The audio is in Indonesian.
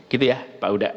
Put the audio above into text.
gitu ya pak uda